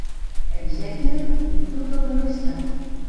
Etcètera, i tota la resta.